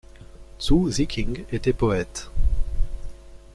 Zhu Ziqing était poète.